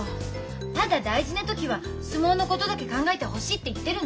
ただ大事な時は相撲のことだけ考えてほしいって言ってるの。